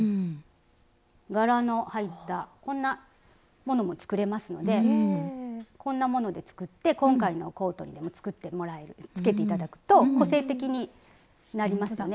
柄の入ったこんなものも作れますのでこんなもので作って今回のコートにでもつけていただくと個性的になりますね。